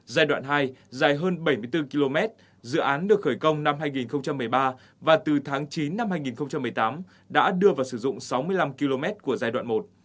giai đoạn hai dài hơn bảy mươi bốn km dự án được khởi công năm hai nghìn một mươi ba và từ tháng chín năm hai nghìn một mươi tám đã đưa vào sử dụng sáu mươi năm km của giai đoạn một